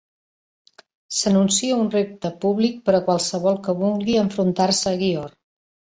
S'anuncia un repte públic per a qualsevol que vulgui enfrontar-se a Gyor.